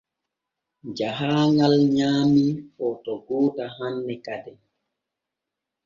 Jahaaŋal nyaamii footo goota hanne kaden.